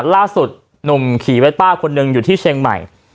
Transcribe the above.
ล่าสุดหนุ่มขี่เวสป้าคนหนึ่งอยู่ที่เชียงใหม่